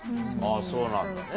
そうなんだね。